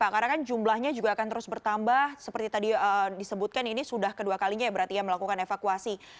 karena jumlahnya juga akan terus bertambah seperti tadi disebutkan ini sudah kedua kalinya melakukan evakuasi